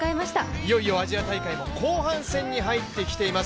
いよいよアジア大会も後半戦に入ってきています。